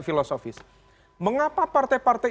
filosofis mengapa partai partai